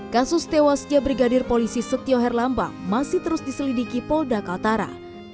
kasus tewasnya brigadir polisi setio herlambang masih terus diselidiki polda kaltara